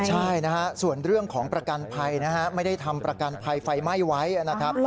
ใช่นะฮะส่วนเรื่องของประกันภัยนะฮะไม่ได้ทำประกันภัยไฟไหม้ไว้นะครับ